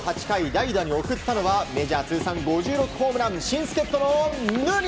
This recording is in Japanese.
８回代打に送ったのはメジャー通算５６ホームラン新助っ人。